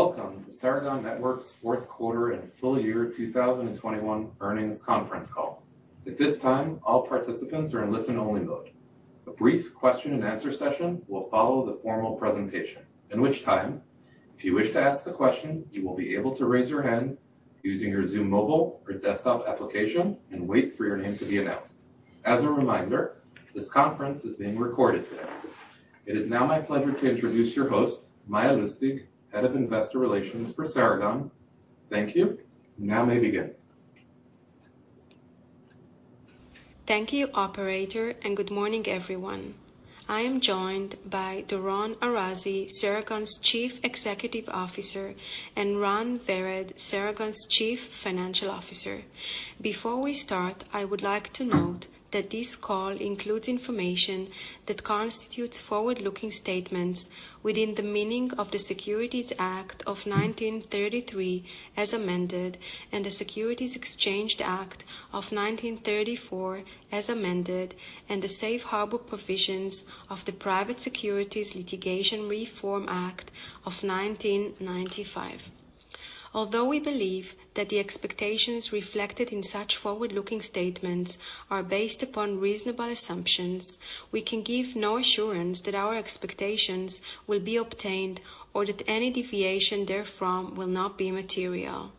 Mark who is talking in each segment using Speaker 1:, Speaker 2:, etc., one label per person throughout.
Speaker 1: Welcome to Ceragon Networks Q4 and full year 2021 earnings conference call. At this time, all participants are in listen-only mode. A brief question and answer session will follow the formal presentation, in which time, if you wish to ask a question, you will be able to raise your hand using your Zoom mobile or desktop application and wait for your name to be announced. As a reminder, this conference is being recorded today. It is now my pleasure to introduce your host, Maya Lustig, Head of Investor Relations for Ceragon Networks. Thank you. You now may begin.
Speaker 2: Thank you, operator, and good morning, everyone. I am joined by Doron Arazi, Ceragon's Chief Executive Officer, and Ran Vered, Ceragon's Chief Financial Officer. Before we start, I would like to note that this call includes information that constitutes forward-looking statements within the meaning of the Securities Act of 1933 as amended, and the Securities Exchange Act of 1934 as amended, and the safe harbor provisions of the Private Securities Litigation Reform Act of 1995. Although we believe that the expectations reflected in such forward-looking statements are based upon reasonable assumptions, we can give no assurance that our expectations will be obtained or that any deviation therefrom will not be material.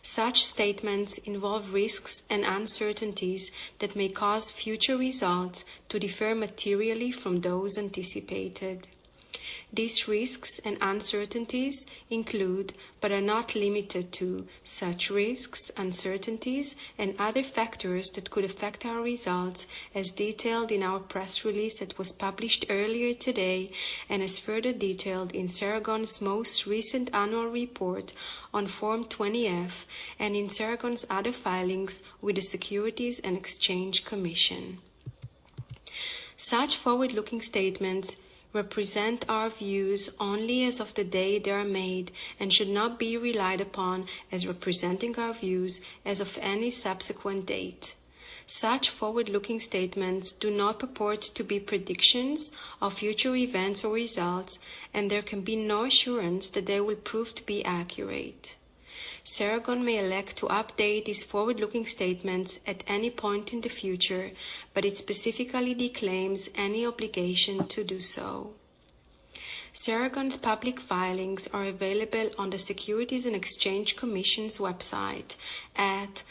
Speaker 2: Such statements involve risks and uncertainties that may cause future results to differ materially from those anticipated. These risks and uncertainties include, but are not limited to, such risks, uncertainties, and other factors that could affect our results as detailed in our press release that was published earlier today and is further detailed in Ceragon's most recent annual report on Form 20-F and in Ceragon's other filings with the Securities and Exchange Commission. Such forward-looking statements represent our views only as of the day they are made and should not be relied upon as representing our views as of any subsequent date. Such forward-looking statements do not purport to be predictions of future events or results, and there can be no assurance that they will prove to be accurate. Ceragon may elect to update these forward-looking statements at any point in the future, but it specifically disclaims any obligation to do so. Ceragon's public filings are available on the Securities and Exchange Commission's website at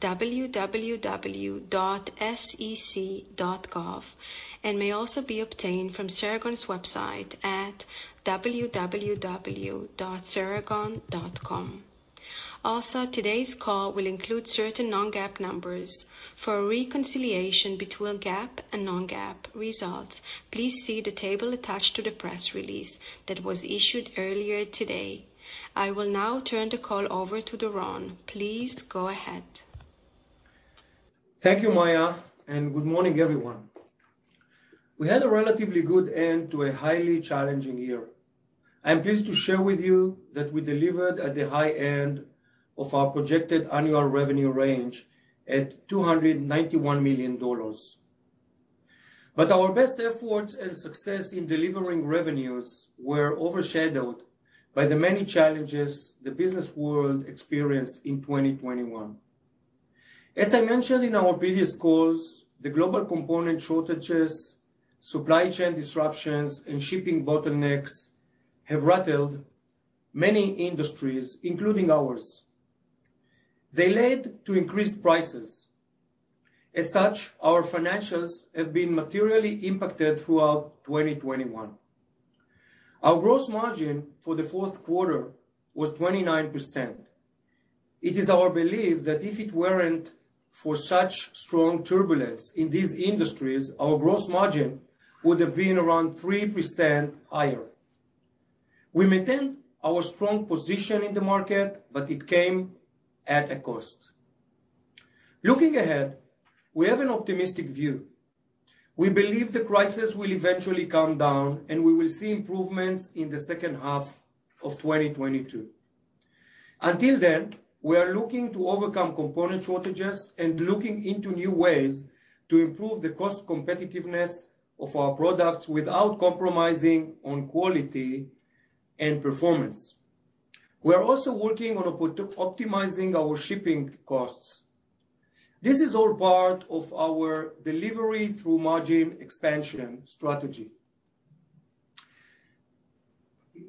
Speaker 2: www.sec.gov and may also be obtained from Ceragon's website at www.ceragon.com. Also, today's call will include certain non-GAAP numbers. For a reconciliation between GAAP and non-GAAP results, please see the table attached to the press release that was issued earlier today. I will now turn the call over to Doron. Please go ahead.
Speaker 3: Thank you, Maya, and good morning, everyone. We had a relatively good end to a highly challenging year. I am pleased to share with you that we delivered at the high end of our projected annual revenue range at $291 million. Our best efforts and success in delivering revenues were overshadowed by the many challenges the business world experienced in 2021. As I mentioned in our previous calls, the global component shortages, supply chain disruptions, and shipping bottlenecks have rattled many industries, including ours. They led to increased prices. As such, our financials have been materially impacted throughout 2021. Our gross margin for the Q4 was 29%. It is our belief that if it weren't for such strong turbulence in these industries, our gross margin would have been around 3% higher. We maintained our strong position in the market, but it came at a cost. Looking ahead, we have an optimistic view. We believe the crisis will eventually come down, and we will see improvements in the second half of 2022. Until then, we are looking to overcome component shortages and looking into new ways to improve the cost competitiveness of our products without compromising on quality and performance. We are also working on optimizing our shipping costs. This is all part of our delivery through margin expansion strategy.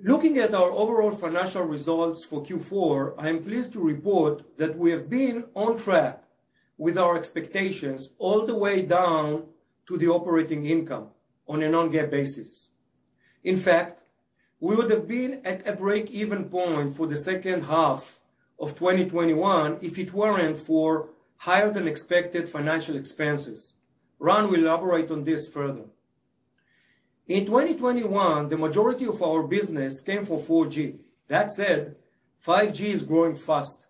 Speaker 3: Looking at our overall financial results for Q4, I am pleased to report that we have been on track with our expectations all the way down to the operating income on a non-GAAP basis. In fact, we would have been at a break-even point for the second half of 2021 if it weren't for higher than expected financial expenses. Ran will elaborate on this further. In 2021, the majority of our business came from 4G. That said, 5G is growing fast,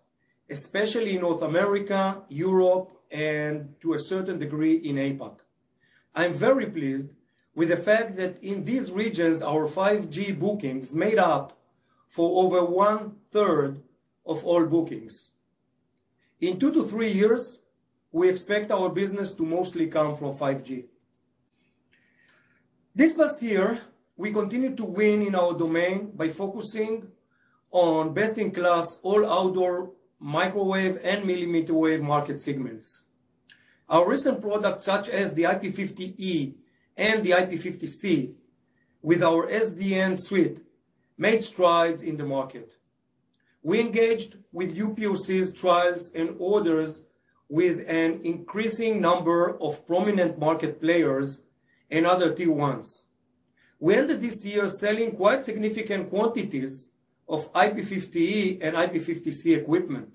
Speaker 3: especially in North America, Europe, and to a certain degree in APAC. I'm very pleased with the fact that in these regions, our 5G bookings made up for over 1/3 of all bookings. In 2-3 years, we expect our business to mostly come from 5G. This past year, we continued to win in our domain by focusing on best-in-class, all outdoor, microwave, and millimeter wave market segments. Our recent products, such as the IP-50E and the IP-50C, with our SDN suite, made strides in the market. We engaged with POCs' trials and orders with an increasing number of prominent market players and other tier-ones. We ended this year selling quite significant quantities of IP-50E and IP-50C equipment.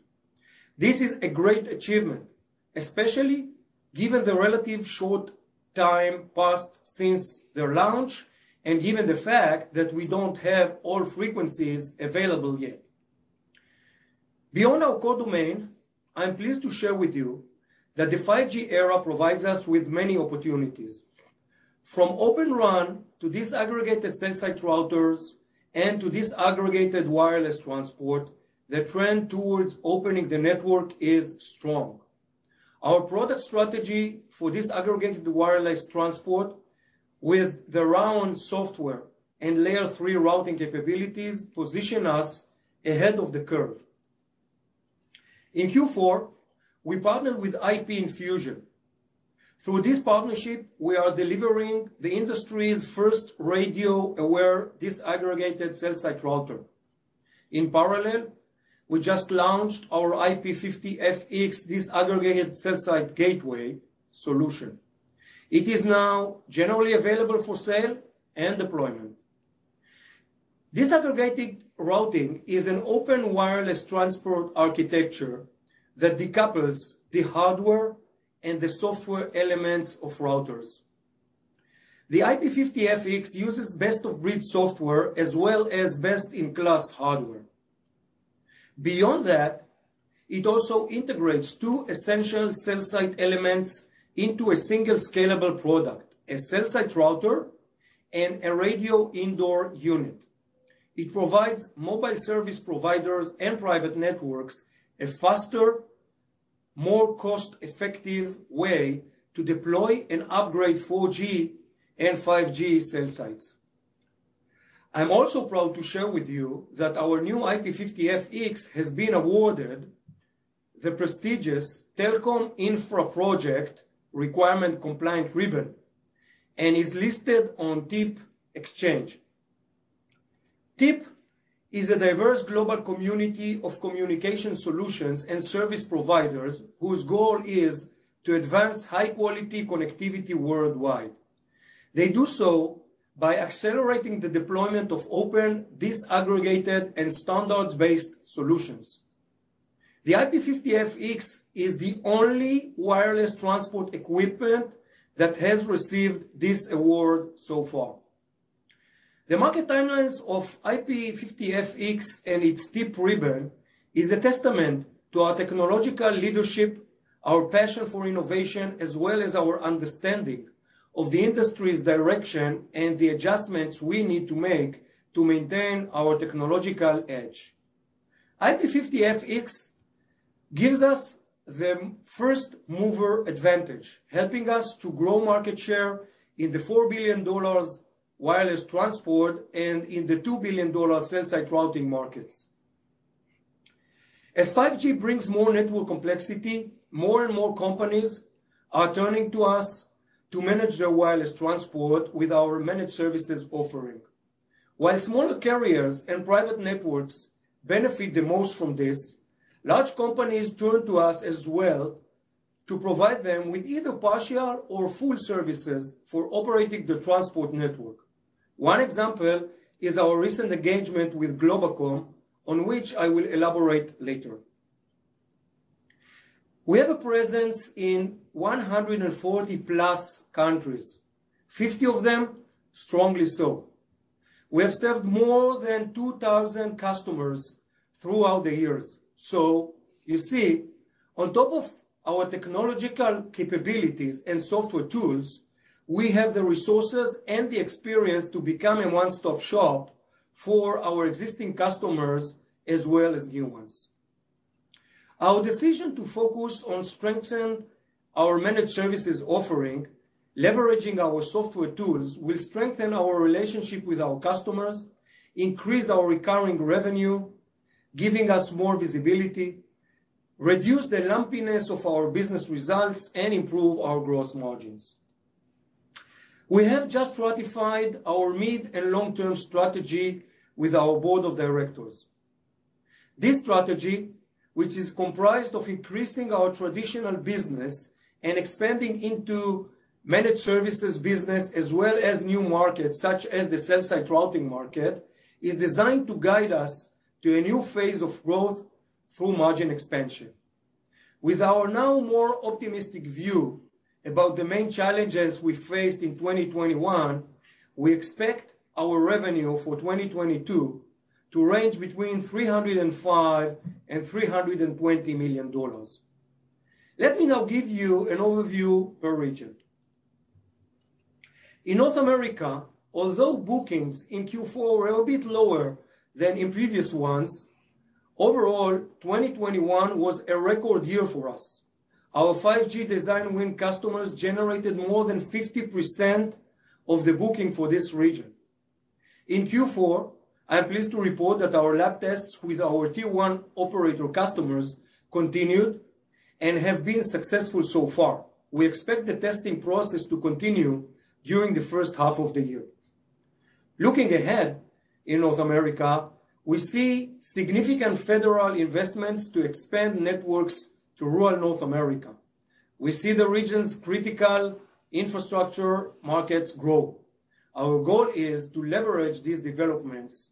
Speaker 3: This is a great achievement, especially given the relative short time passed since their launch, and given the fact that we don't have all frequencies available yet. Beyond our core domain, I'm pleased to share with you that the 5G era provides us with many opportunities. From Open RAN to disaggregated cell site routers and to disaggregated wireless transport, the trend towards opening the network is strong. Our product strategy for disaggregated wireless transport with the RAON software and Layer 3 routing capabilities position us ahead of the curve. In Q4, we partnered with IP Infusion. Through this partnership, we are delivering the industry's first radio-aware disaggregated cell site router. In parallel, we just launched our IP-50FX disaggregated cell site gateway solution. It is now generally available for sale and deployment. Disaggregated routing is an open wireless transport architecture that decouples the hardware and the software elements of routers. The IP-50FX uses best-of-breed software as well as best-in-class hardware. Beyond that, it also integrates two essential cell site elements into a single scalable product, a cell site router and a radio indoor unit. It provides mobile service providers and private networks a faster, more cost-effective way to deploy and upgrade 4G and 5G cell sites. I'm also proud to share with you that our new IP-50FX has been awarded the prestigious Telecom Infra Project Requirement Compliant ribbon and is listed on TIP Exchange. TIP is a diverse global community of communication solutions and service providers whose goal is to advance high-quality connectivity worldwide. They do so by accelerating the deployment of open, disaggregated, and standards-based solutions. The IP-50FX is the only wireless transport equipment that has received this award so far. The market timelines of IP-50FX and its TIP ribbon is a testament to our technological leadership, our passion for innovation, as well as our understanding of the industry's direction and the adjustments we need to make to maintain our technological edge. IP-50FX gives us the first-mover advantage, helping us to grow market share in the $4 billion wireless transport and in the $2 billion cell site routing markets. As 5G brings more network complexity, more and more companies are turning to us to manage their wireless transport with our managed services offering. While smaller carriers and private networks benefit the most from this, large companies turn to us as well to provide them with either partial or full services for operating the transport network. One example is our recent engagement with Globacom, on which I will elaborate later. We have a presence in 140+ countries, 50 of them strongly so. We have served more than 2,000 customers throughout the years. You see, on top of our technological capabilities and software tools, we have the resources and the experience to become a one-stop shop for our existing customers as well as new ones. Our decision to focus on strengthen our managed services offering, leveraging our software tools, will strengthen our relationship with our customers, increase our recurring revenue, giving us more visibility, reduce the lumpiness of our business results, and improve our gross margins. We have just ratified our mid- and long-term strategy with our board of directors. This strategy, which is comprised of increasing our traditional business and expanding into managed services business as well as new markets such as the cell site routing market, is designed to guide us to a new phase of growth through margin expansion. With our now more optimistic view about the main challenges we faced in 2021, we expect our revenue for 2022 to range between $305 million and $320 million. Let me now give you an overview per region. In North America, although bookings in Q4 were a bit lower than in previous ones, overall, 2021 was a record year for us. Our 5G design win customers generated more than 50% of the booking for this region. In Q4, I am pleased to report that our lab tests with our tier one operator customers continued and have been successful so far. We expect the testing process to continue during the first half of the year. Looking ahead in North America, we see significant federal investments to expand networks to rural North America. We see the region's critical infrastructure markets grow. Our goal is to leverage these developments,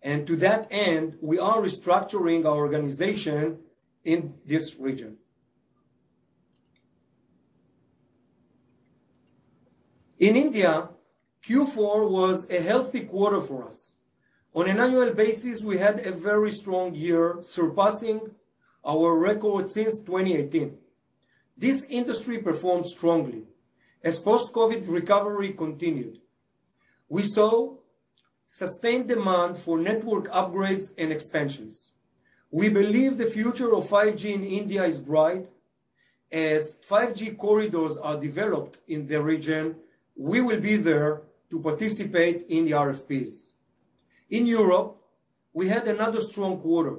Speaker 3: and to that end, we are restructuring our organization in this region. In India, Q4 was a healthy quarter for us. On an annual basis, we had a very strong year, surpassing our record since 2018. This industry performed strongly as post-COVID recovery continued. We saw sustained demand for network upgrades and expansions. We believe the future of 5G in India is bright. As 5G corridors are developed in the region, we will be there to participate in the RFPs. In Europe, we had another strong quarter.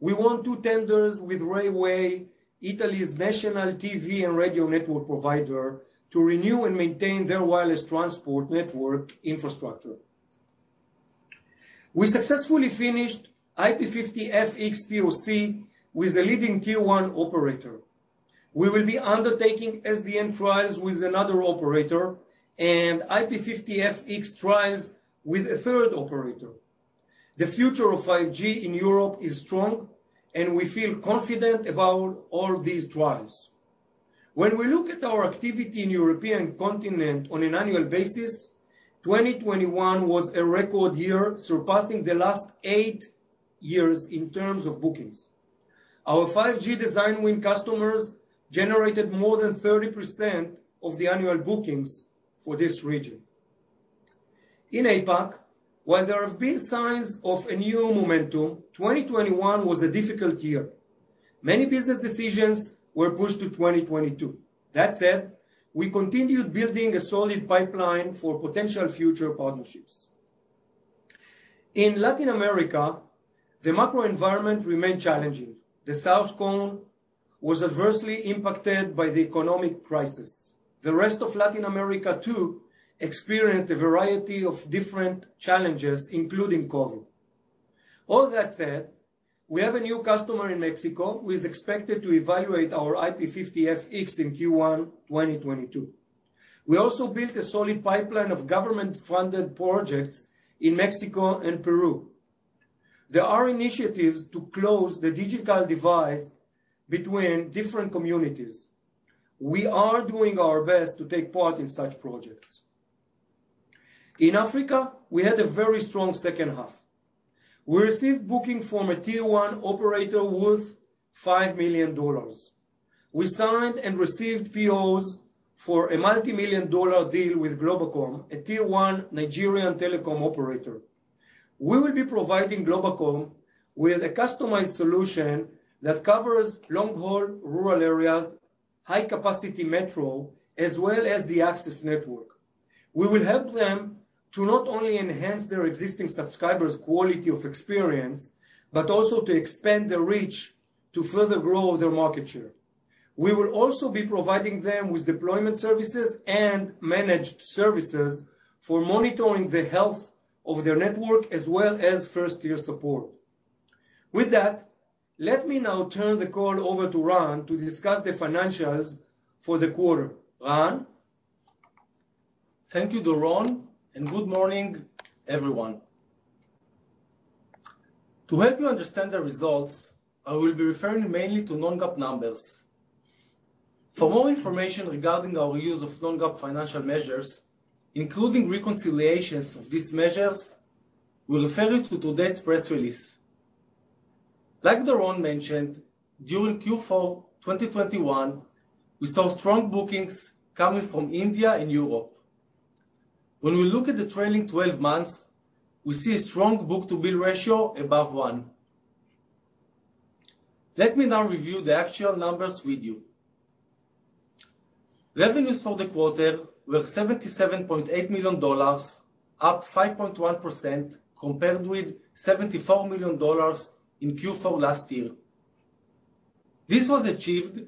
Speaker 3: We won two tenders with Rai Way, Italy's national TV and radio network provider, to renew and maintain their wireless transport network infrastructure. We successfully finished IP-50FX POC with a leading tier one operator. We will be undertaking SDN trials with another operator and IP-50FX trials with a third operator. The future of 5G in Europe is strong, and we feel confident about all these trials. When we look at our activity in the European continent on an annual basis, 2021 was a record year, surpassing the last eight years in terms of bookings. Our 5G design win customers generated more than 30% of the annual bookings for this region. In APAC, while there have been signs of a new momentum, 2021 was a difficult year. Many business decisions were pushed to 2022. That said, we continued building a solid pipeline for potential future partnerships. In Latin America, the macro environment remained challenging. The Southern Cone was adversely impacted by the economic crisis. The rest of Latin America, too, experienced a variety of different challenges, including COVID. All that said, we have a new customer in Mexico who is expected to evaluate our IP-50FX in Q1 2022. We also built a solid pipeline of government-funded projects in Mexico and Peru. There are initiatives to close the digital divide between different communities. We are doing our best to take part in such projects. In Africa, we had a very strong second half. We received booking from a tier one operator worth $5 million. We signed and received POs for a multi-million dollar deal with Globacom, a tier one Nigerian telecom operator. We will be providing Globacom with a customized solution that covers long-haul rural areas, high-capacity metro, as well as the access network. We will help them to not only enhance their existing subscribers' quality of experience, but also to expand their reach to further grow their market share. We will also be providing them with deployment services and managed services for monitoring the health of their network, as well as first-tier support. With that, let me now turn the call over to Ran to discuss the financials for the quarter. Ran?
Speaker 4: Thank you, Doron, and good morning, everyone. To help you understand the results, I will be referring mainly to non-GAAP numbers. For more information regarding our use of non-GAAP financial measures, including reconciliations of these measures, we refer you to today's press release. Like Doron mentioned, during Q4 2021, we saw strong bookings coming from India and Europe. When we look at the trailing 12 months, we see a strong book-to-bill ratio above one. Let me now review the actual numbers with you. Revenues for the quarter were $77.8 million, up 5.1% compared with $74 million in Q4 last year. This was achieved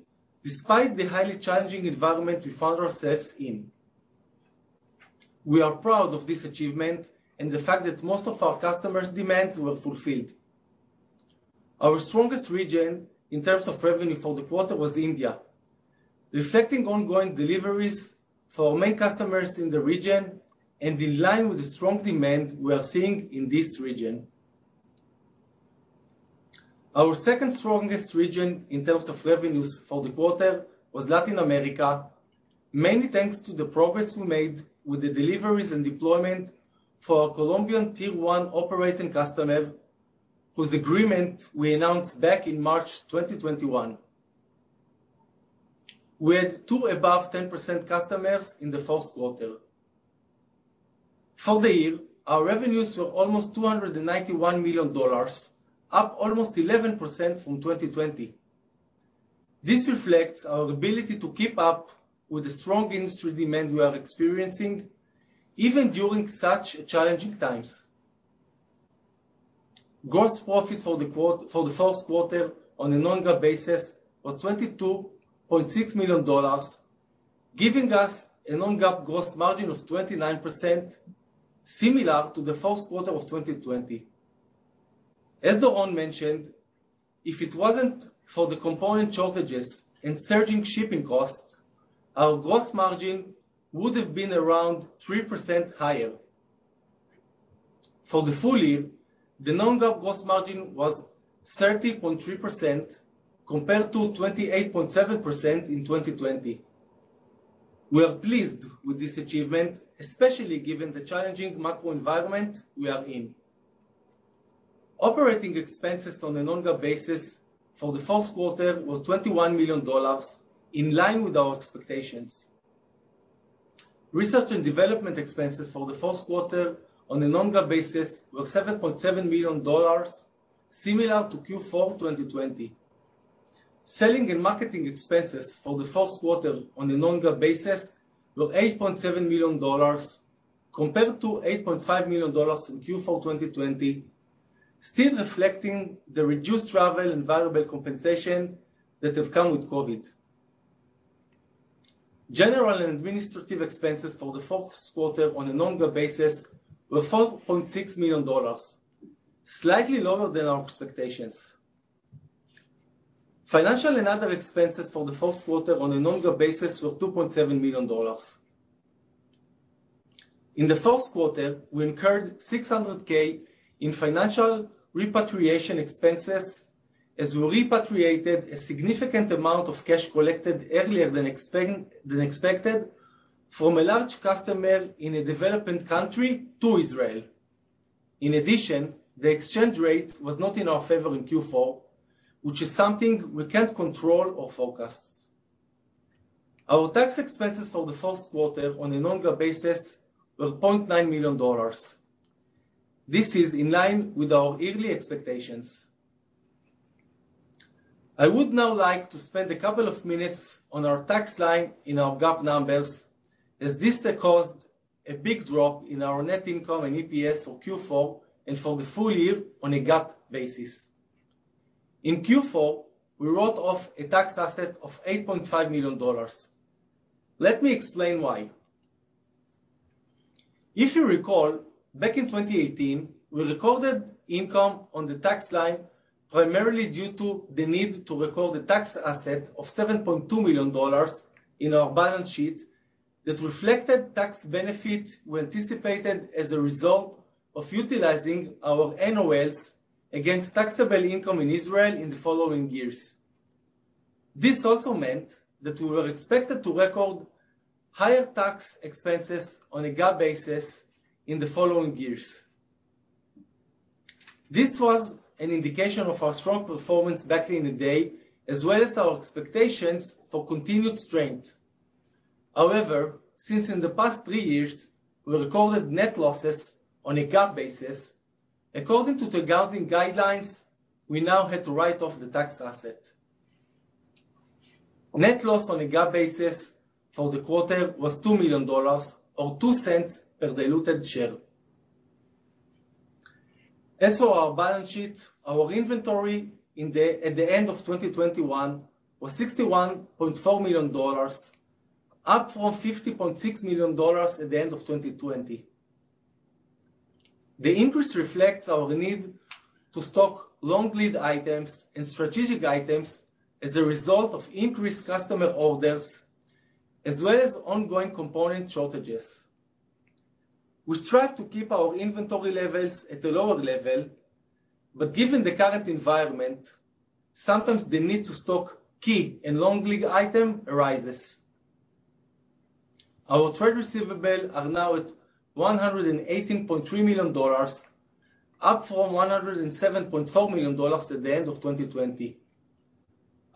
Speaker 4: despite the highly challenging environment we found ourselves in. We are proud of this achievement and the fact that most of our customers' demands were fulfilled. Our strongest region in terms of revenue for the quarter was India, reflecting ongoing deliveries for our main customers in the region and in line with the strong demand we are seeing in this region. Our second strongest region in terms of revenues for the quarter was Latin America, mainly thanks to the progress we made with the deliveries and deployment for our Colombian tier one operating customer, whose agreement we announced back in March 2021. We had two above 10% customers in the Q1. For the year, our revenues were almost $291 million, up almost 11% from 2020. This reflects our ability to keep up with the strong industry demand we are experiencing even during such challenging times. Gross profit for the Q1 on a non-GAAP basis was $22.6 million, giving us a non-GAAP gross margin of 29%, similar to the Q1 of 2020. As Doron mentioned, if it wasn't for the component shortages and surging shipping costs, our gross margin would have been around 3% higher. For the full year, the non-GAAP gross margin was 30.3% compared to 28.7% in 2020. We are pleased with this achievement, especially given the challenging macro environment we are in. Operating expenses on a non-GAAP basis for the Q1 were $21 million, in line with our expectations. Research and development expenses for the Q1 on a non-GAAP basis were $7.7 million, similar to Q4 2020. Selling and marketing expenses for the Q1 on a non-GAAP basis were $8.7 million compared to $8.5 million in Q4 2020, still reflecting the reduced travel and variable compensation that have come with COVID. General and administrative expenses for the Q1 on a non-GAAP basis were $4.6 million, slightly lower than our expectations. Financial and other expenses for the Q1 on a non-GAAP basis were $2.7 million. In the Q1, we incurred $600K in financial repatriation expenses as we repatriated a significant amount of cash collected earlier than expected from a large customer in a developing country to Israel. In addition, the exchange rate was not in our favor in Q4, which is something we can't control or focus. Our tax expenses for the Q1 on a non-GAAP basis were $0.9 million. This is in line with our yearly expectations. I would now like to spend a couple of minutes on our tax line in our GAAP numbers as this caused a big drop in our net income and EPS for Q4 and for the full year on a GAAP basis. In Q4, we wrote off a tax asset of $8.5 million. Let me explain why. If you recall, back in 2018, we recorded income on the tax line primarily due to the need to record a tax asset of $7.2 million in our balance sheet that reflected tax benefit we anticipated as a result of utilizing our NOLs against taxable income in Israel in the following years. This also meant that we were expected to record higher tax expenses on a GAAP basis in the following years. This was an indication of our strong performance back in the day, as well as our expectations for continued strength. However, since in the past three years we recorded net losses on a GAAP basis, according to the accounting guidelines, we now had to write off the tax asset. Net loss on a GAAP basis for the quarter was $2 million or $0.02 per diluted share. As for our balance sheet, our inventory at the end of 2021 was $61.4 million, up from $50.6 million at the end of 2020. The increase reflects our need to stock long lead items and strategic items as a result of increased customer orders, as well as ongoing component shortages. We strive to keep our inventory levels at a lower level, but given the current environment, sometimes the need to stock key and long-lead items arises. Our trade receivables are now at $118.3 million, up from $107.4 million at the end of 2021.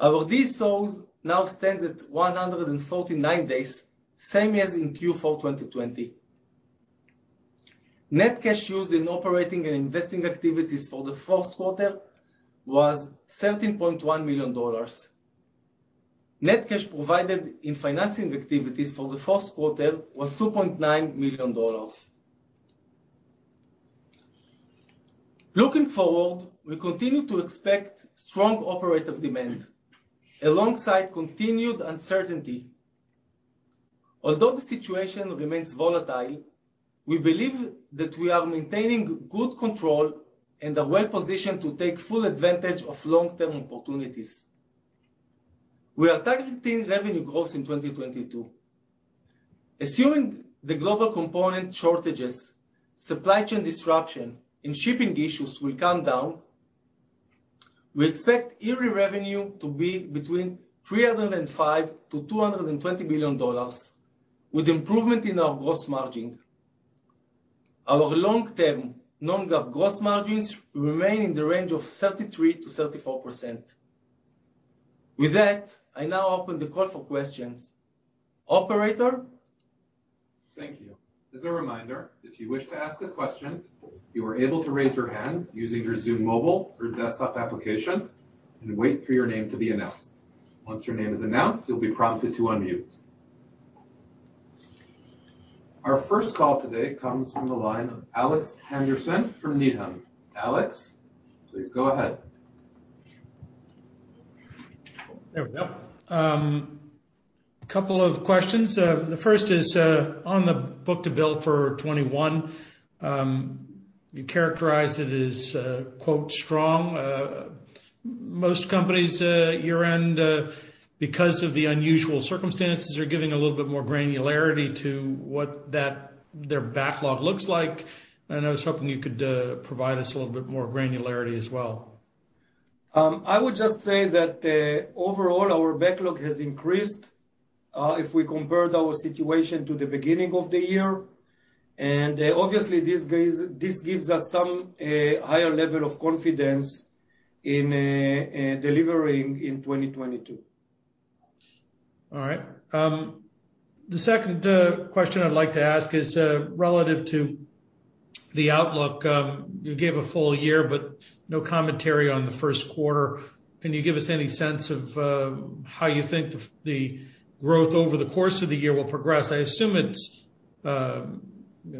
Speaker 4: Our days sales now stands at 149 days, same as in Q4 2021. Net cash used in operating and investing activities for the Q1 was $13.1 million. Net cash provided in financing activities for the Q1 was $2.9 million. Looking forward, we continue to expect strong operator demand alongside continued uncertainty. Although the situation remains volatile, we believe that we are maintaining good control and are well-positioned to take full advantage of long-term opportunities. We are targeting revenue growth in 2022. Assuming the global component shortages, supply chain disruption, and shipping issues will come down, we expect yearly revenue to be between $305 million-$220 million with improvement in our gross margin. Our long-term non-GAAP gross margins remain in the range of 33%-34%. With that, I now open the call for questions. Operator?
Speaker 1: Thank you. As a reminder, if you wish to ask a question, you are able to raise your hand using your Zoom mobile or desktop application and wait for your name to be announced. Once your name is announced, you'll be prompted to unmute. Our first call today comes from the line of Alex Henderson from Needham. Alex, please go ahead.
Speaker 5: There we go. Couple of questions. The first is on the book-to-bill for 2021. You characterized it as, quote, "strong." Most companies at your end, because of the unusual circumstances, are giving a little bit more granularity to what their backlog looks like. I was hoping you could provide us a little bit more granularity as well.
Speaker 3: I would just say that, overall, our backlog has increased if we compared our situation to the beginning of the year. Obviously this gives us some higher level of confidence in delivering in 2022.
Speaker 5: All right. The second question I'd like to ask is relative to the outlook. You gave a full year, but no commentary on the Q1. Can you give us any sense of how you think the growth over the course of the year will progress? I assume it's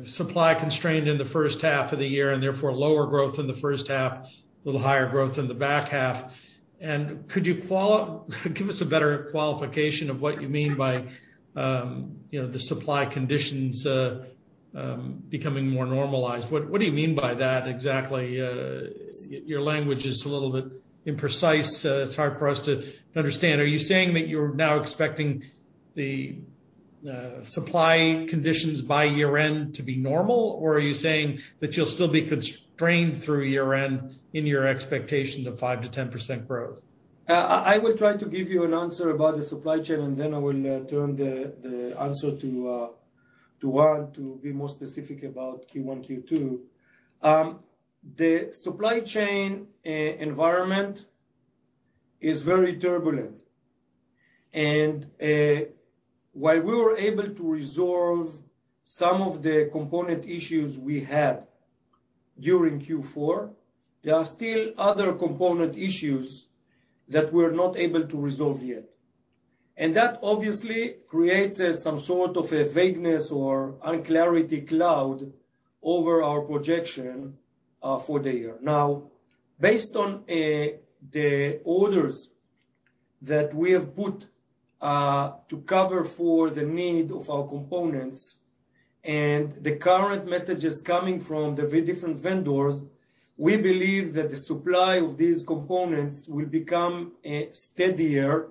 Speaker 5: supply constrained in the first half of the year and therefore lower growth in the first half, a little higher growth in the back half. Could you give us a better qualification of what you mean by, you know, the supply conditions becoming more normalized? What do you mean by that exactly? Your language is a little bit imprecise, it's hard for us to understand. Are you saying that you're now expecting the supply conditions by year-end to be normal? Are you saying that you'll still be constrained through year-end in your expectation of 5%-10% growth?
Speaker 3: I will try to give you an answer about the supply chain, and then I will turn the answer to Ran to be more specific about Q1, Q2. The supply chain environment is very turbulent. While we were able to resolve some of the component issues we had during Q4, there are still other component issues that we're not able to resolve yet. That obviously creates some sort of a vagueness or unclarity cloud over our projection for the year. Now, based on the orders that we have put to cover for the need of our components and the current messages coming from the very different vendors, we believe that the supply of these components will become steadier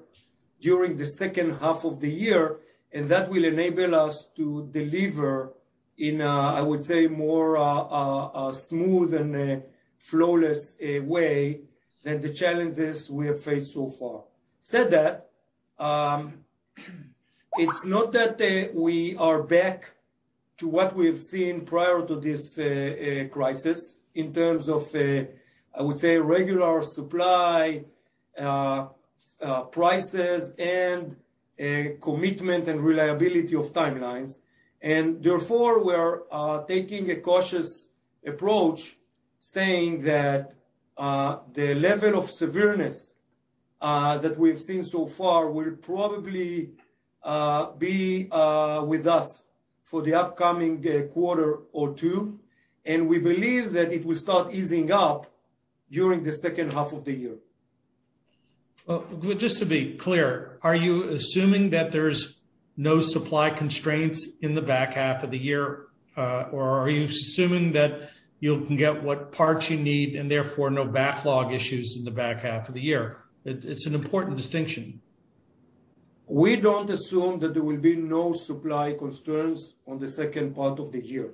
Speaker 3: during the second half of the year, and that will enable us to deliver in a, I would say, more smooth and flawless way than the challenges we have faced so far. That said, it's not that we are back to what we have seen prior to this crisis in terms of, I would say, regular supply, prices and commitment and reliability of timelines. Therefore, we are taking a cautious approach, saying that the level of severity that we've seen so far will probably be with us for the upcoming quarter or two, and we believe that it will start easing up during the second half of the year.
Speaker 5: Well, just to be clear, are you assuming that there's no supply constraints in the back half of the year? Or are you assuming that you can get what parts you need and therefore no backlog issues in the back half of the year? It's an important distinction.
Speaker 3: We don't assume that there will be no supply constraints on the second part of the year.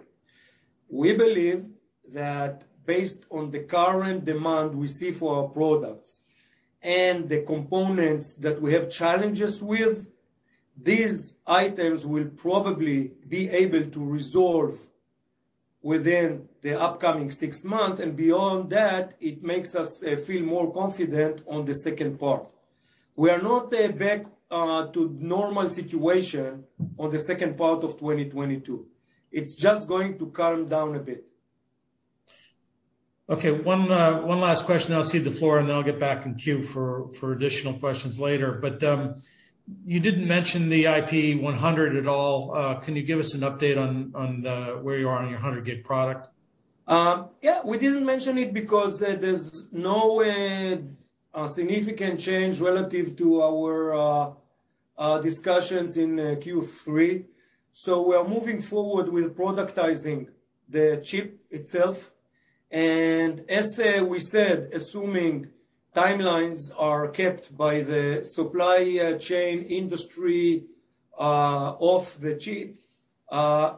Speaker 3: We believe that based on the current demand we see for our products and the components that we have challenges with, these items will probably be able to resolve within the upcoming 6 months, and beyond that, it makes us feel more confident on the second part. We are not back to normal situation on the second part of 2022. It's just going to calm down a bit.
Speaker 5: Okay. One last question, and I'll cede the floor, and then I'll get back in queue for additional questions later. You didn't mention the IP-100 at all. Can you give us an update on where you are on your 100 gig product?
Speaker 3: Yeah. We didn't mention it because there's no significant change relative to our discussions in Q3. We are moving forward with productizing the chip itself. As we said, assuming timelines are kept by the supply chain industry of the chip,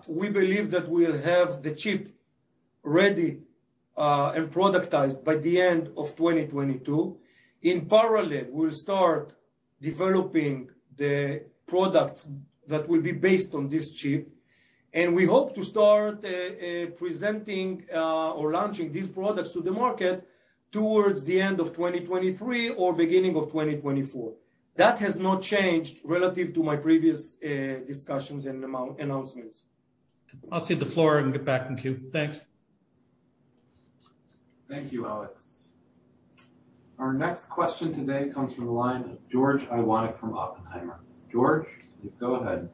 Speaker 3: we believe that we'll have the chip ready and productized by the end of 2022. In parallel, we'll start developing the products that will be based on this chip, and we hope to start presenting or launching these products to the market towards the end of 2023 or beginning of 2024. That has not changed relative to my previous discussions and announcements.
Speaker 5: I'll cede the floor and get back in queue. Thanks.
Speaker 1: Thank you, Alex. Our next question today comes from the line of George Iwanyc from Oppenheimer. George, please go ahead.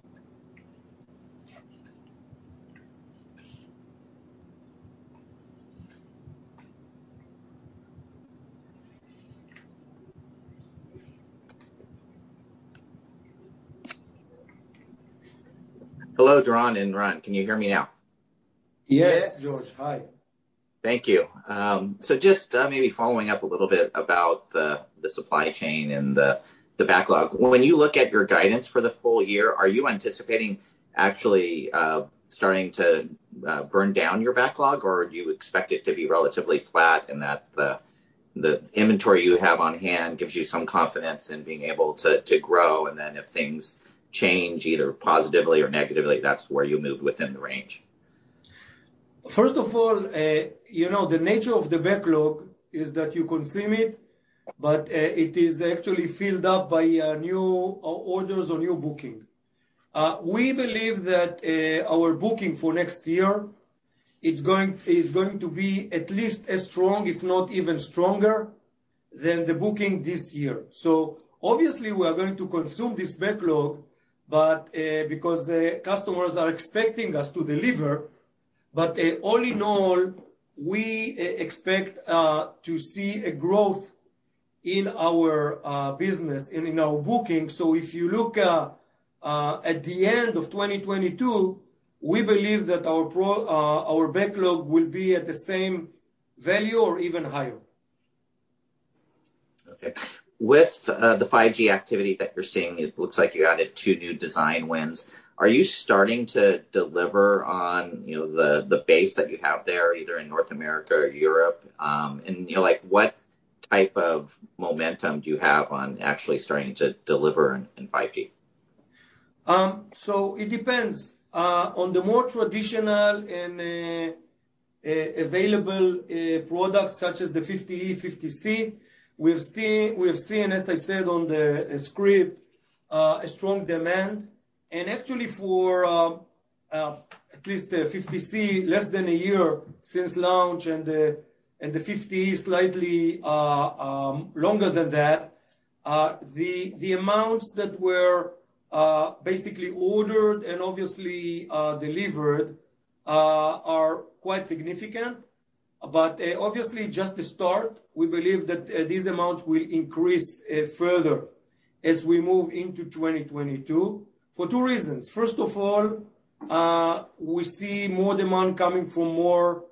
Speaker 6: Hello, Doron and Ran. Can you hear me now?
Speaker 3: Yes, George. Hi.
Speaker 6: Thank you. Just maybe following up a little bit about the supply chain and the backlog. When you look at your guidance for the full year, are you anticipating actually starting to burn down your backlog, or do you expect it to be relatively flat and that the inventory you have on-hand gives you some confidence in being able to grow, and then if things change either positively or negatively, that's where you move within the range?
Speaker 3: First of all, you know, the nature of the backlog is that you consume it, but it is actually filled up by new orders or new booking. We believe that our booking for next year is going to be at least as strong, if not even stronger, than the booking this year. Obviously, we are going to consume this backlog because the customers are expecting us to deliver. All in all, we expect to see a growth in our business and in our booking. If you look at the end of 2022, we believe that our backlog will be at the same value or even higher.
Speaker 6: Okay. With the 5G activity that you're seeing, it looks like you added 2 new design wins. Are you starting to deliver on, you know, the base that you have there, either in North America or Europe? You know, like, what type of momentum do you have on actually starting to deliver in 5G?
Speaker 3: It depends on the more traditional and available products such as the IP-50E, IP-50C. We've seen, as I said on the script, a strong demand. Actually for at least the IP-50C, less than a year since launch, and the IP-50E slightly longer than that, the amounts that were basically ordered and obviously delivered are quite significant, but obviously just the start. We believe that these amounts will increase further as we move into 2022 for two reasons. First of all, we see more demand coming from more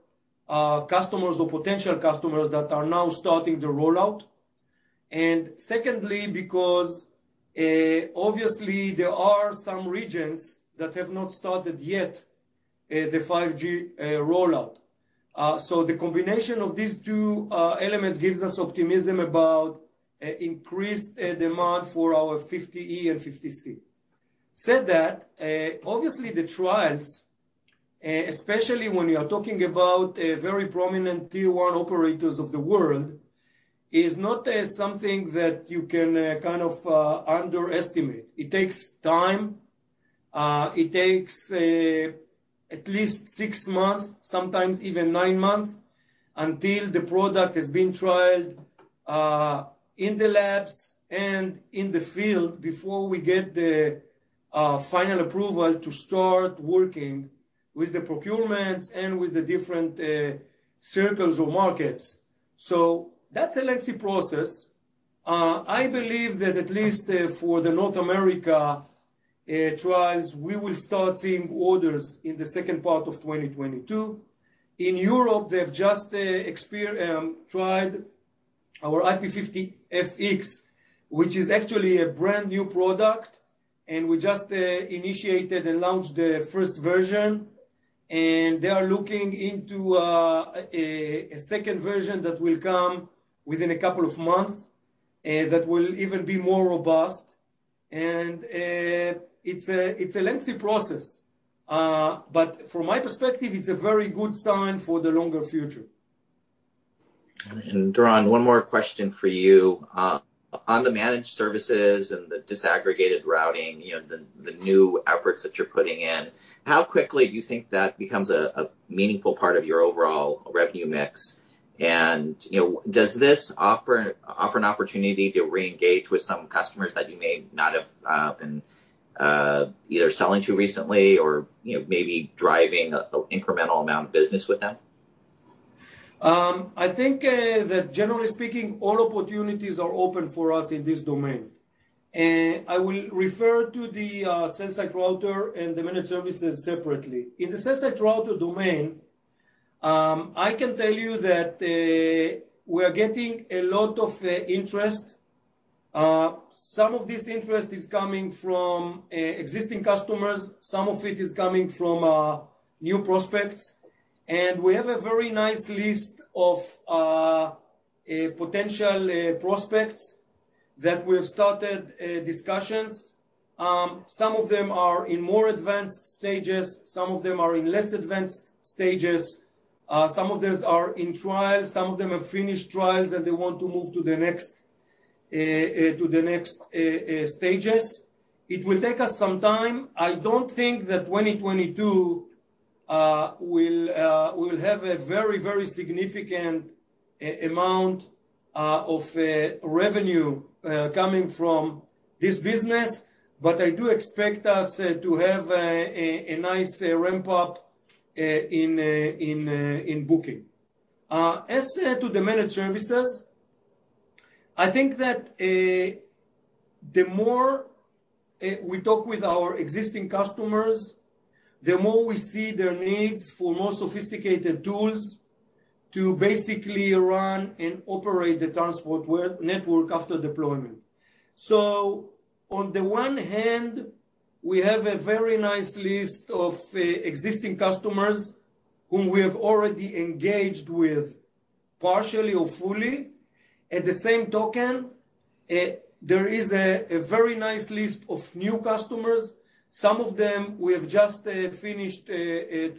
Speaker 3: customers or potential customers that are now starting the rollout. Secondly, because obviously there are some regions that have not started yet, the 5G rollout. The combination of these two elements gives us optimism about increased demand for our 50E and 50C. That said, obviously the trials, especially when you are talking about a very prominent Tier 1 operators of the world, is not something that you can kind of underestimate. It takes time. It takes at least 6 months, sometimes even 9 months, until the product has been trialed in the labs and in the field before we get the final approval to start working with the procurements and with the different circles or markets. That's a lengthy process. I believe that at least for the North America trials, we will start seeing orders in the second part of 2022. In Europe, they have just tried our IP-50FX, which is actually a brand-new product, and we just initiated and launched the first version, and they are looking into a second version that will come within a couple of months, that will even be more robust. It's a lengthy process. But from my perspective, it's a very good sign for the longer future.
Speaker 6: Doron, one more question for you. On the managed services and the disaggregated routing, you know, the new efforts that you're putting in, how quickly do you think that becomes a meaningful part of your overall revenue mix? You know, does this offer an opportunity to reengage with some customers that you may not have been either selling to recently or, you know, maybe driving an incremental amount of business with them?
Speaker 3: I think that generally speaking, all opportunities are open for us in this domain. I will refer to the cell site router and the managed services separately. In the cell site router domain, I can tell you that we're getting a lot of interest. Some of this interest is coming from existing customers, some of it is coming from new prospects, and we have a very nice list of potential prospects that we have started discussions. Some of them are in more advanced stages, some of them are in less advanced stages, some of those are in trials, some of them have finished trials, and they want to move to the next stages. It will take us some time. I don't think that 2022 will have a very significant amount of revenue coming from this business, but I do expect us to have a nice ramp up in booking. As to the managed services, I think that the more we talk with our existing customers, the more we see their needs for more sophisticated tools to basically run and operate the transport network after deployment. On the one hand, we have a very nice list of existing customers whom we have already engaged with, partially or fully. At the same time, there is a very nice list of new customers. Some of them we have just finished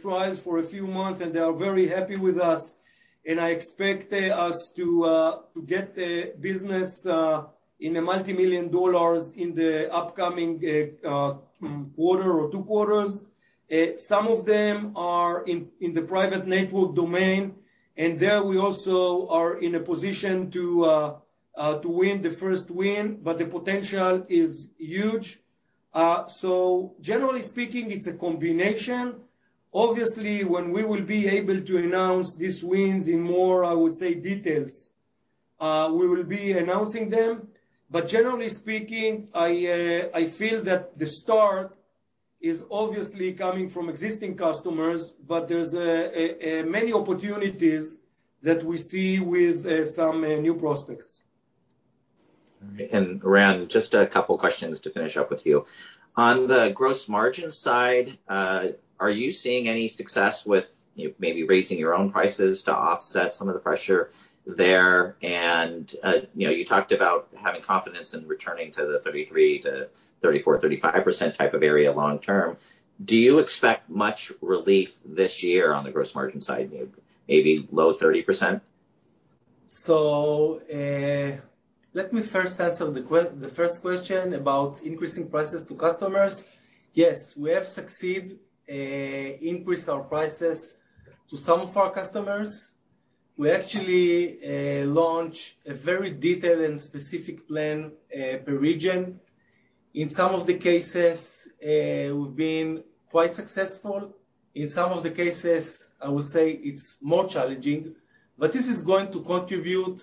Speaker 3: trials for a few months, and they are very happy with us. I expect us to get business in the $ multimillion in the upcoming quarter or two quarters. Some of them are in the private network domain, and there we also are in a position to win the first win, but the potential is huge. Generally speaking, it's a combination. Obviously, when we will be able to announce these wins in more, I would say, details, we will be announcing them. Generally speaking, I feel that the start is obviously coming from existing customers, but there's many opportunities that we see with some new prospects.
Speaker 6: All right. Ran, just a couple of questions to finish up with you. On the gross margin side, are you seeing any success with, you know, maybe raising your own prices to offset some of the pressure there? You know, you talked about having confidence in returning to the 33%-34%, 35% type of area long term. Do you expect much relief this year on the gross margin side, maybe low 30%?
Speaker 4: Let me first answer the first question about increasing prices to customers. Yes, we have succeeded in increasing our prices to some of our customers. We actually launched a very detailed and specific plan per region. In some of the cases, we've been quite successful. In some of the cases, I would say it's more challenging. This is going to contribute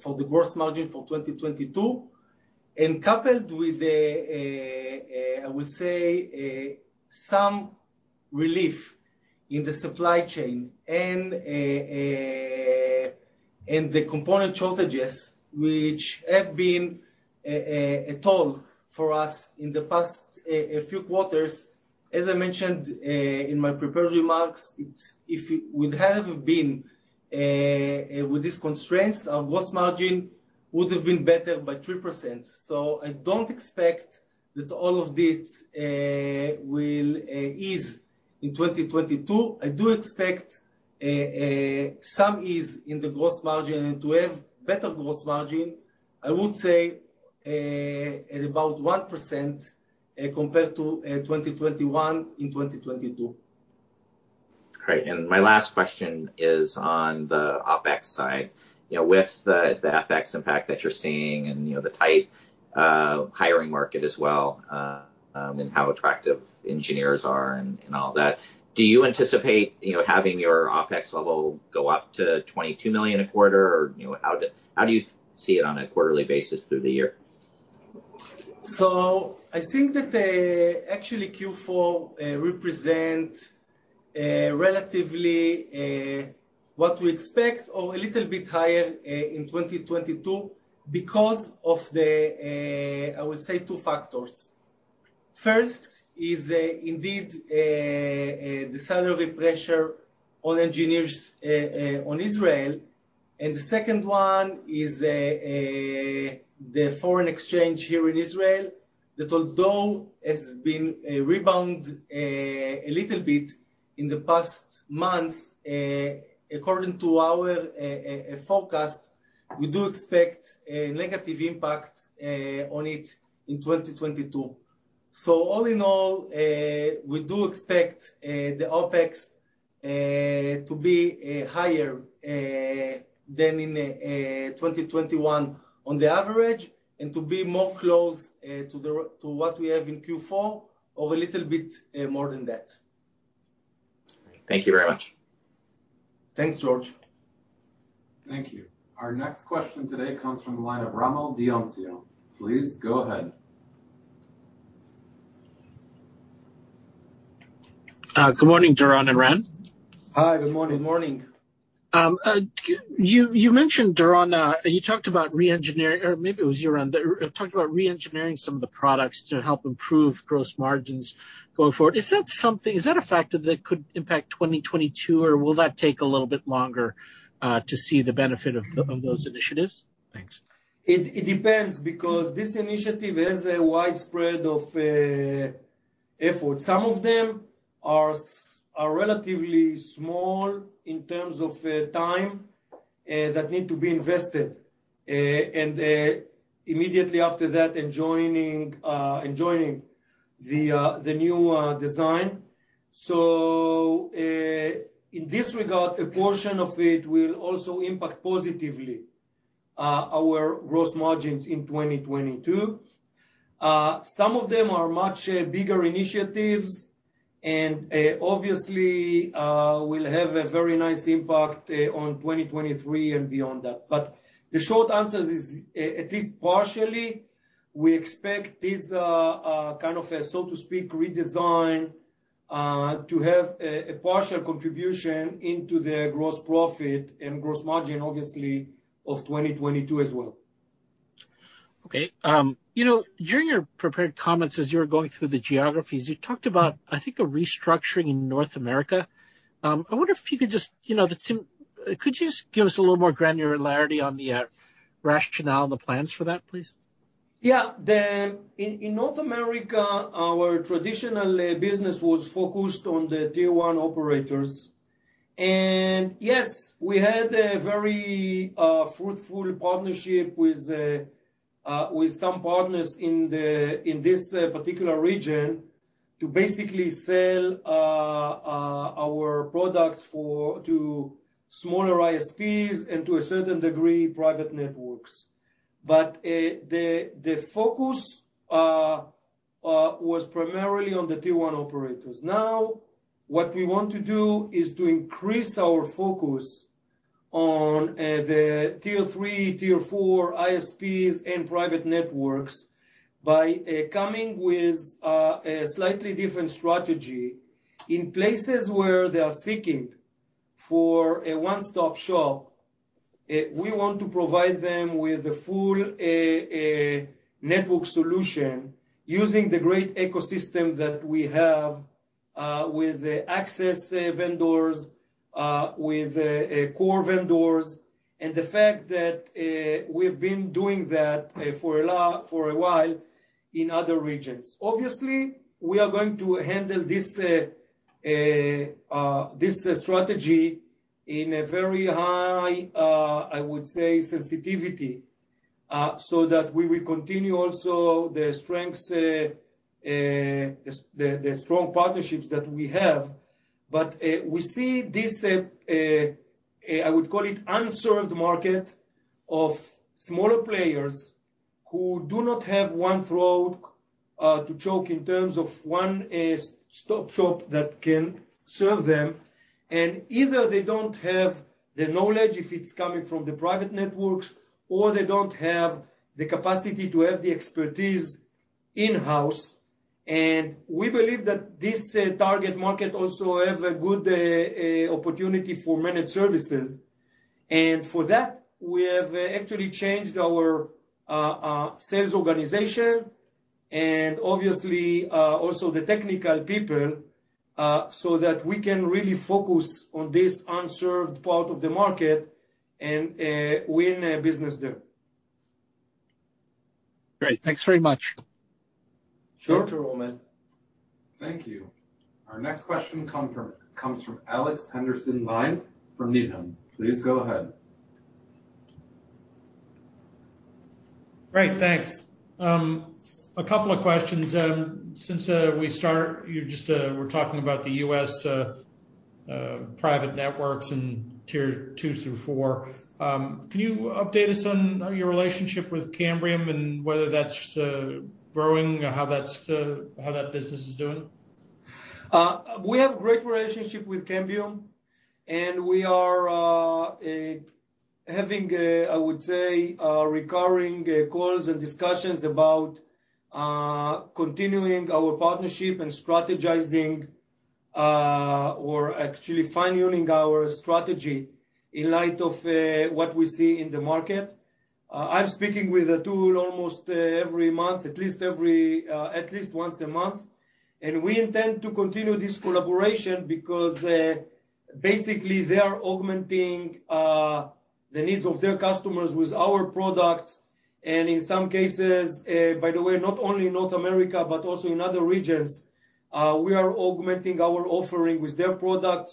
Speaker 4: for the gross margin for 2022. Coupled with the, I would say, some relief in the supply chain and the component shortages, which have been a toll for us in the past few quarters. As I mentioned in my prepared remarks, it's if we hadn't been with these constraints, our gross margin would have been better by 3%. I don't expect that all of this will ease in 2022. I do expect some ease in the gross margin and to have better gross margin, I would say, at about 1%, compared to 2021 in 2022.
Speaker 6: Great. My last question is on the OpEx side. You know, with the FX impact that you're seeing and, you know, the tight hiring market as well, and how attractive engineers are and all that, do you anticipate, you know, having your OpEx level go up to $22 million a quarter? Or, you know, how do you see it on a quarterly basis through the year?
Speaker 3: I think that actually Q4 represents relatively what we expect or a little bit higher in 2022 because of the I would say two factors. First is indeed the salary pressure on engineers in Israel, and the second one is the foreign exchange here in Israel, that although has been rebounded a little bit in the past months according to our forecast, we do expect a negative impact on it in 2022. All in all, we do expect the OpEx to be higher than in 2021 on the average, and to be closer to what we have in Q4 or a little bit more than that.
Speaker 6: Thank you very much.
Speaker 3: Thanks, George.
Speaker 1: Thank you. Our next question today comes from the line of Rommel Dionisio. Please go ahead.
Speaker 7: Good morning, Doron and Ran.
Speaker 3: Hi, good morning.
Speaker 2: Good morning.
Speaker 7: You mentioned, Doron, you talked about re-engineering, or maybe it was you, Ran, that talked about re-engineering some of the products to help improve gross margins going forward. Is that something? Is that a factor that could impact 2022, or will that take a little bit longer to see the benefit of those initiatives? Thanks.
Speaker 3: It depends because this initiative has a wide spread of effort. Some of them are relatively small in terms of time that need to be invested. Immediately after that, enjoying the new design. In this regard, a portion of it will also impact positively our gross margins in 2022. Some of them are much bigger initiatives and obviously will have a very nice impact on 2023 and beyond that. The short answer is, at least partially, we expect this kind of, so to speak, redesign to have a partial contribution into the gross profit and gross margin, obviously, of 2022 as well.
Speaker 7: Okay. You know, during your prepared comments, as you were going through the geographies, you talked about, I think, a restructuring in North America. I wonder if you could just, you know. Could you just give us a little more granularity on the rationale and the plans for that, please?
Speaker 3: In North America, our traditional business was focused on the tier one operators. Yes, we had a very fruitful partnership with some partners in this particular region to basically sell our products to smaller ISPs and to a certain degree, private networks. The focus was primarily on the tier one operators. Now, what we want to do is to increase our focus on the tier three, tier four ISPs and private networks by coming with a slightly different strategy. In places where they are seeking for a one-stop shop, we want to provide them with a full network solution using the great ecosystem that we have with the access vendors with core vendors, and the fact that we've been doing that for a while in other regions. Obviously, we are going to handle this strategy in a very high, I would say, sensitivity so that we will continue also to strengthen the strong partnerships that we have. We see this I would call it unserved market of smaller players who do not have one throat to choke in terms of one-stop shop that can serve them. Either they don't have the knowledge, if it's coming from the private networks, or they don't have the capacity to have the expertise in-house. We believe that this target market also have a good opportunity for managed services. For that, we have actually changed our sales organization, and obviously also the technical people so that we can really focus on this unserved part of the market and win business there.
Speaker 7: Great. Thanks very much.
Speaker 3: Sure.
Speaker 1: Thank you, Roman. Thank you. Our next question comes from Alex Henderson from Needham. Please go ahead.
Speaker 5: Great, thanks. A couple of questions. Since we start, you just were talking about the U.S. private networks and tier two through four. Can you update us on your relationship with Cambium and whether that's growing or how that business is doing?
Speaker 3: We have great relationship with Cambium, and we are having a, I would say, recurring calls and discussions about continuing our partnership and strategizing, or actually fine-tuning our strategy in light of what we see in the market. I'm speaking with Atul almost every month, at least once a month. We intend to continue this collaboration because, basically, they are augmenting the needs of their customers with our products, and in some cases, by the way, not only in North America, but also in other regions, we are augmenting our offering with their product.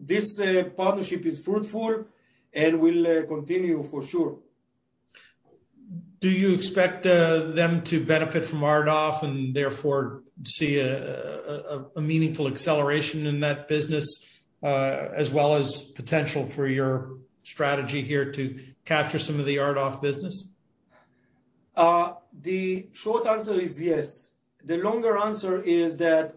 Speaker 3: This partnership is fruitful and will continue for sure.
Speaker 5: Do you expect them to benefit from RDOF and therefore see a meaningful acceleration in that business, as well as potential for your strategy here to capture some of the RDOF business?
Speaker 3: The short answer is yes. The longer answer is that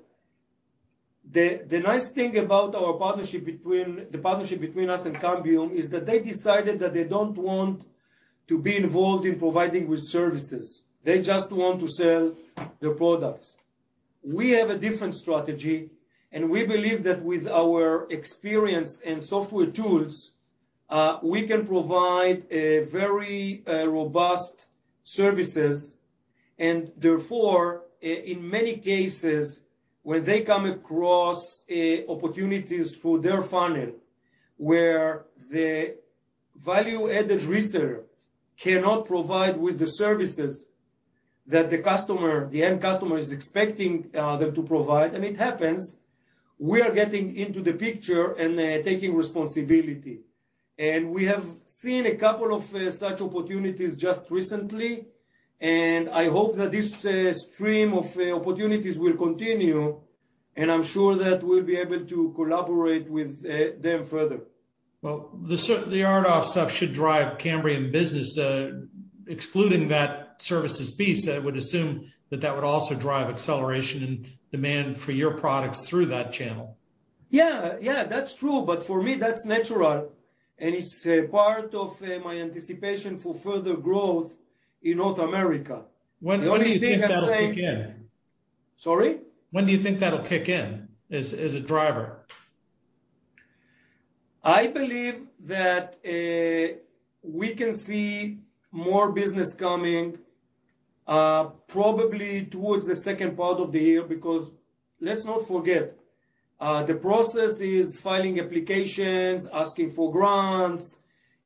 Speaker 3: the nice thing about the partnership between us and Cambium is that they decided that they don't want to be involved in providing with services. They just want to sell their products. We have a different strategy, and we believe that with our experience in software tools, we can provide a very robust services and therefore in many cases, when they come across opportunities through their funnel, where the value-added reseller cannot provide with the services that the customer, the end customer is expecting them to provide, and it happens, we are getting into the picture and taking responsibility. We have seen a couple of such opportunities just recently, and I hope that this stream of opportunities will continue, and I'm sure that we'll be able to collaborate with them further.
Speaker 5: Well, the RDOF stuff should drive Cambium business. Excluding that services piece, I would assume that would also drive acceleration and demand for your products through that channel.
Speaker 3: Yeah. Yeah, that's true, but for me, that's natural and it's part of my anticipation for further growth in North America. The only thing I'm saying-
Speaker 5: When do you think that'll kick in?
Speaker 3: Sorry?
Speaker 5: When do you think that'll kick in as a driver?
Speaker 3: I believe that we can see more business coming, probably towards the second part of the year, because let's not forget, the process is filing applications, asking for grants.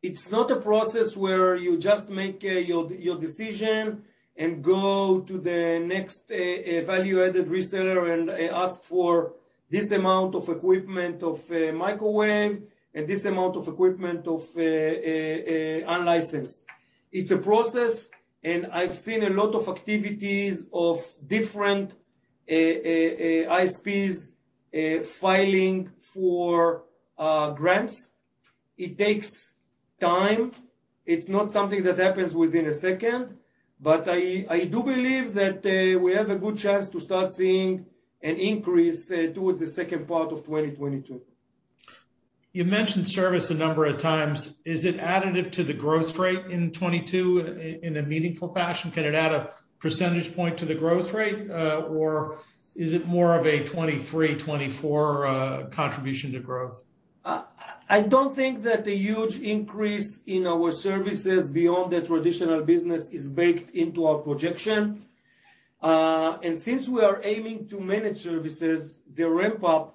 Speaker 3: It's not a process where you just make your decision and go to the next value-added reseller and ask for this amount of equipment of microwave and this amount of equipment of unlicensed. It's a process, and I've seen a lot of activities of different ISPs filing for grants. It takes time. It's not something that happens within a second. I do believe that we have a good chance to start seeing an increase towards the second part of 2022.
Speaker 5: You mentioned service a number of times. Is it additive to the growth rate in 2022 in a meaningful fashion? Can it add a percentage point to the growth rate, or is it more of a 2023, 2024, contribution to growth?
Speaker 3: I don't think that a huge increase in our services beyond the traditional business is baked into our projection. Since we are aiming to manage services, the ramp up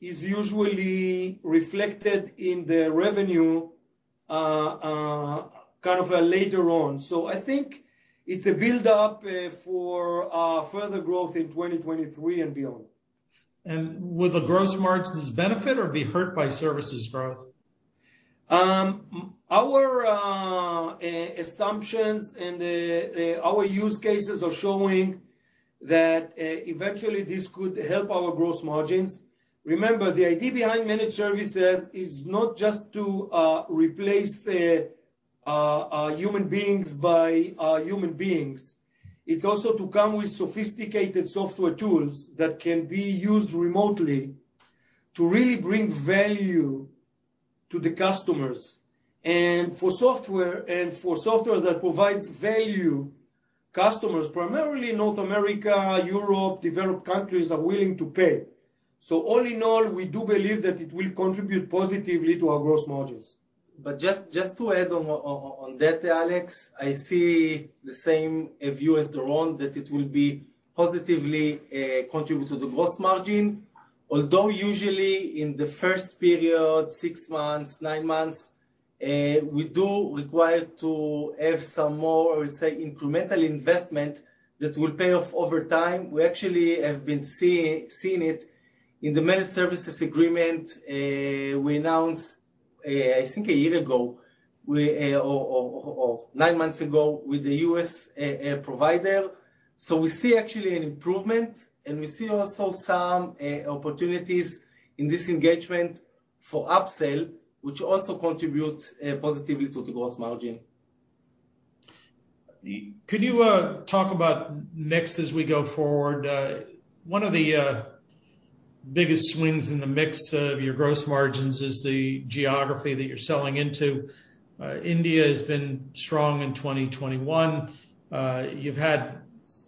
Speaker 3: is usually reflected in the revenue, kind of, later on. I think it's a build-up for further growth in 2023 and beyond.
Speaker 5: Will the gross margins benefit or be hurt by services growth?
Speaker 3: Our assumptions and our use cases are showing that eventually this could help our gross margins. Remember, the idea behind managed services is not just to replace human beings by human beings. It's also to come with sophisticated software tools that can be used remotely to really bring value to the customers. For software that provides value, customers, primarily North America, Europe, developed countries are willing to pay. All in all, we do believe that it will contribute positively to our gross margins.
Speaker 4: Just to add on that, Alex, I see the same view as Doron, that it will positively contribute to the gross margin. Although usually in the first period, 6 months, 9 months, we do require to have some more, I would say, incremental investment that will pay off over time. We actually have been seeing it in the managed services agreement we announced, I think a year ago, or 9 months ago with the U.S. provider. So we see actually an improvement, and we see also some opportunities in this engagement for upsell, which also contributes positively to the gross margin.
Speaker 5: Could you talk about mix as we go forward? One of the biggest swings in the mix of your gross margins is the geography that you're selling into. India has been strong in 2021. You've had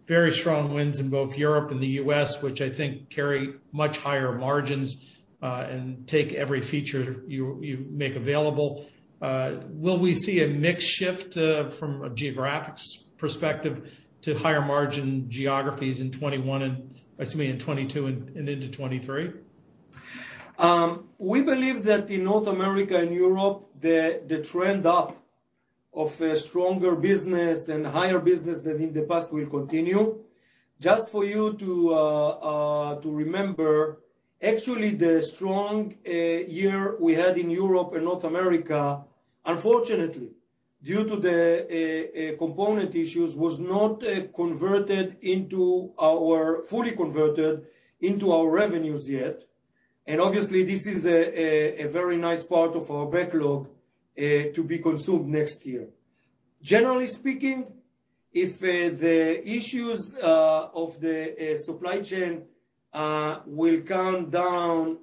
Speaker 5: very strong wins in both Europe and the U.S., which I think carry much higher margins, and take every feature you make available. Will we see a mix shift from a geographic perspective to higher margin geographies in 2021, 2022, and into 2023?
Speaker 3: We believe that in North America and Europe, the trend up of a stronger business and higher business than in the past will continue. Just for you to remember, actually, the strong year we had in Europe and North America, unfortunately, due to the component issues, was not fully converted into our revenues yet. Obviously, this is a very nice part of our backlog to be consumed next year. Generally speaking, if the issues of the supply chain will come down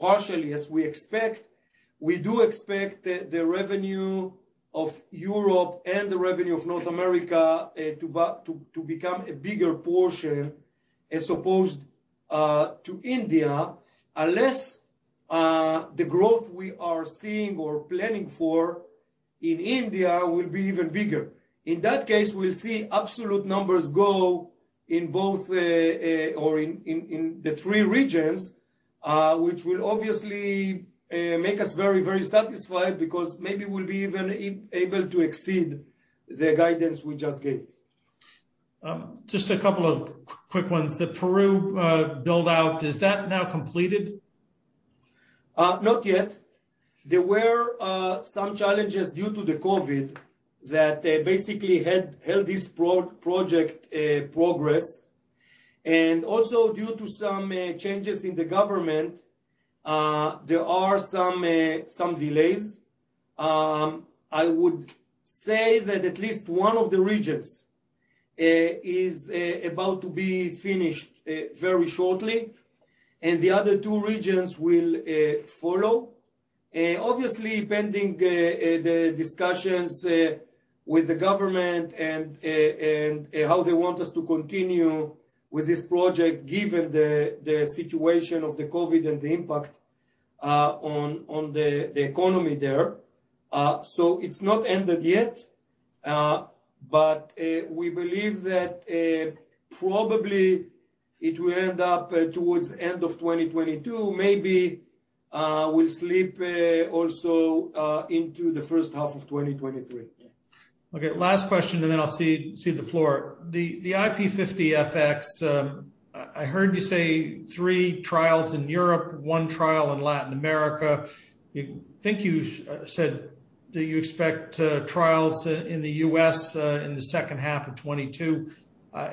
Speaker 3: partially as we expect, we do expect the revenue of Europe and the revenue of North America to become a bigger portion as opposed to India, unless the growth we are seeing or planning for in India will be even bigger. In that case, we'll see absolute numbers go in both, or in the three regions, which will obviously make us very, very satisfied because maybe we'll be even able to exceed the guidance we just gave.
Speaker 5: Just a couple of quick ones. The Peru build-out, is that now completed?
Speaker 3: Not yet. There were some challenges due to the COVID that basically held this project progress. Also due to some changes in the government, there are some delays. I would say that at least one of the regions is about to be finished very shortly, and the other two regions will follow. Obviously, pending the discussions with the government and how they want us to continue with this project, given the situation of the COVID and the impact on the economy there. It's not ended yet, but we believe that probably it will end up towards end of 2022, maybe will slip also into the first half of 2023.
Speaker 5: Okay. Last question, and then I'll cede the floor. The IP-50FX, I heard you say three trials in Europe, one trial in Latin America. You think you said that you expect trials in the U.S., in the second half of 2022.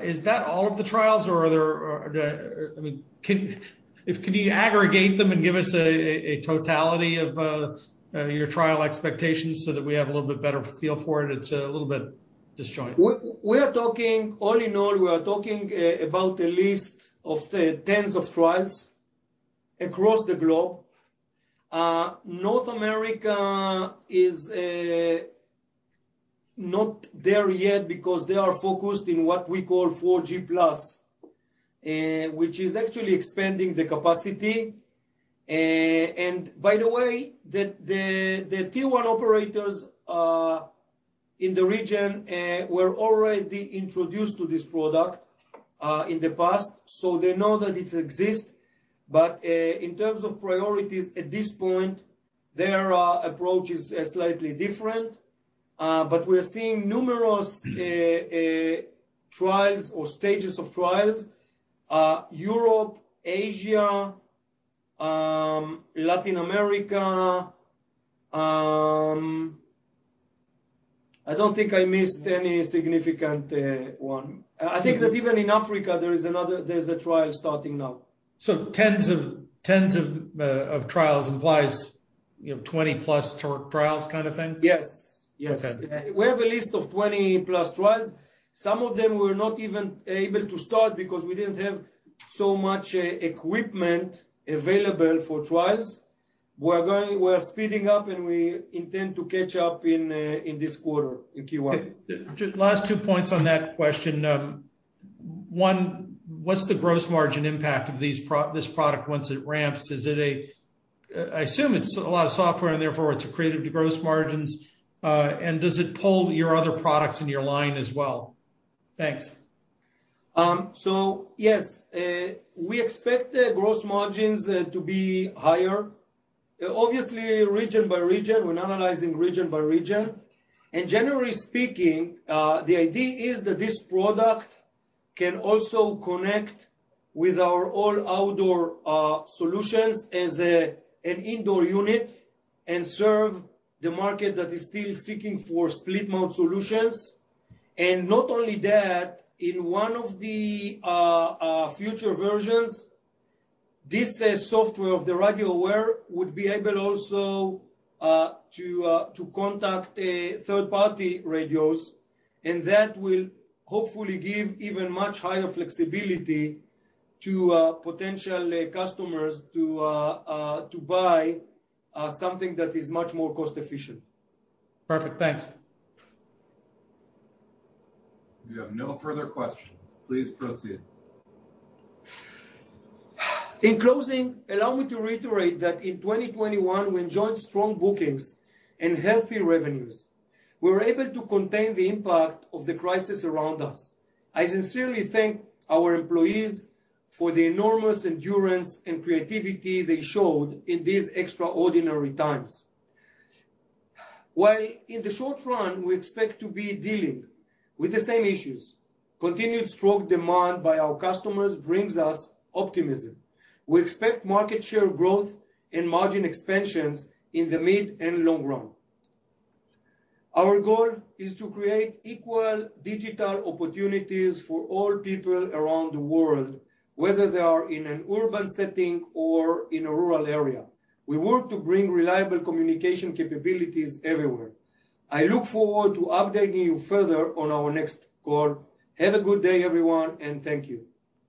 Speaker 5: Is that all of the trials or are there or I mean, can you aggregate them and give us a totality of your trial expectations so that we have a little bit better feel for it? It's a little bit disjointed.
Speaker 3: All in all, we are talking about a list of tens of trials across the globe. North America is not there yet because they are focused on what we call 4G+, which is actually expanding the capacity. By the way, the Tier 1 operators in the region were already introduced to this product in the past, so they know that it exists. In terms of priorities at this point, their approach is slightly different. We're seeing numerous trials or stages of trials, Europe, Asia, Latin America. I don't think I missed any significant one. I think that even in Africa, there is another trial starting now.
Speaker 5: Tens of trials implies, you know, 20+ trials kind of thing?
Speaker 3: Yes. Yes.
Speaker 5: Okay.
Speaker 3: We have a list of 20+ trials. Some of them were not even able to start because we didn't have so much equipment available for trials. We are speeding up, and we intend to catch up in this quarter, in Q1.
Speaker 5: Okay. Just last two points on that question. One, what's the gross margin impact of this product once it ramps? I assume it's a lot of software, and therefore it's accretive to gross margins. And does it pull your other products in your line as well? Thanks.
Speaker 3: So yes, we expect the gross margins to be higher. Obviously region by region, we're analyzing region by region. Generally speaking, the idea is that this product can also connect with our all outdoor solutions as an indoor unit and serve the market that is still seeking for split mount solutions. Not only that, in one of the future versions, this software of the RadioWare would be able also to contact third-party radios, and that will hopefully give even much higher flexibility to potential customers to buy something that is much more cost efficient.
Speaker 5: Perfect. Thanks.
Speaker 1: We have no further questions. Please proceed.
Speaker 3: In closing, allow me to reiterate that in 2021, we enjoyed strong bookings and healthy revenues. We were able to contain the impact of the crisis around us. I sincerely thank our employees for the enormous endurance and creativity they showed in these extraordinary times. While in the short run, we expect to be dealing with the same issues, continued strong demand by our customers brings us optimism. We expect market share growth and margin expansions in the mid and long run. Our goal is to create equal digital opportunities for all people around the world, whether they are in an urban setting or in a rural area. We work to bring reliable communication capabilities everywhere. I look forward to updating you further on our next call. Have a good day, everyone, and thank you.